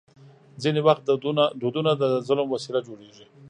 ځینې وخت دودونه د ظلم وسیله جوړېږي.